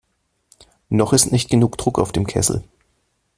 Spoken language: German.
Noch ist nicht genug Druck auf dem Kessel.